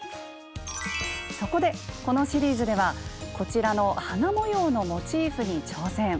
そこでこのシリーズではこちらの「花模様のモチーフ」に挑戦！